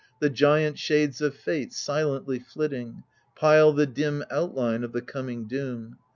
The giant shades of fate, silently flitting. Pile the dim outline of the coming doom.